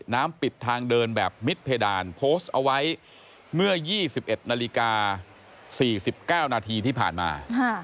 น้ำปิดทางเดินแบบมิดเพดานโพสต์เอาไว้เมื่อ๒๑นาฬิกา๔๙นาทีที่ผ่านมา